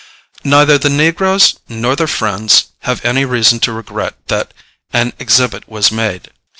Neither the negroes nor their friends have any reason to regret that an exhibit was made.